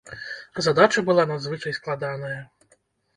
Задача была надзвычай складаная.